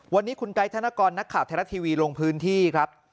วันนี้คุณไกด์ธนกรนักข่าวไทยรัฐทีวีลงพื้นที่ครับ